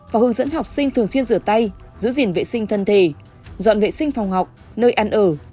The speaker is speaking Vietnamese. và hướng dẫn học sinh thường xuyên rửa tay giữ gìn vệ sinh thân thể dọn vệ sinh phòng học nơi ăn ở